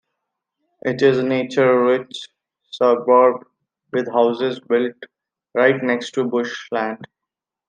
It is a nature-rich suburb with houses built right next to bushland.